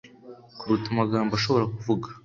kuruta amagambo ashobora kuvuga